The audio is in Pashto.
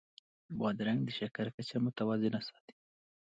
بادرنګ د شکر کچه متوازنه ساتي.